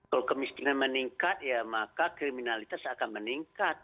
kalau kemiskinan meningkat ya maka kriminalitas akan meningkat